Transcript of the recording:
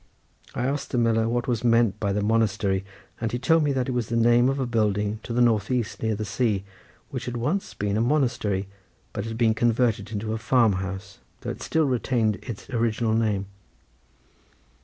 I asked the miller what was meant by the monastery, and he told me that it was the name of a building to the north east near the sea, which had once been a monastery, but had been converted into a farmhouse, though it still retained its original name.